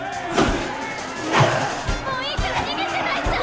もういいから逃げて大ちゃん！